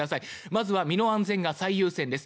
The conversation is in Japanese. まずは身の安全が最優先です。